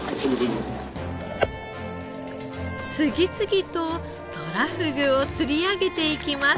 次々ととらふぐを釣り上げていきます。